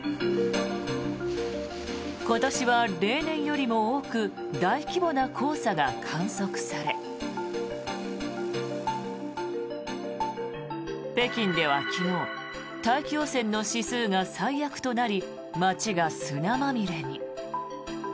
今年は例年よりも多く大規模な黄砂が観測され北京では昨日大気汚染の指数が最悪となり街が砂まみれに。